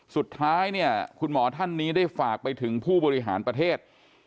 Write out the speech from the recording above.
สุดท้ายเนี่ยคุณหมอท่านนี้ได้ฝากไปถึงผู้บริหารประเทศ